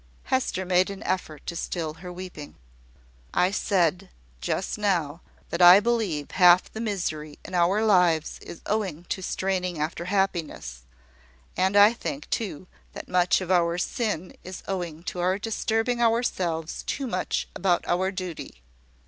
Hester made an effort to still her weeping. "I said just now, that I believe half the misery in our lives is owing to straining after happiness; and I think, too, that much of our sin is owing to our disturbing ourselves too much about our duty.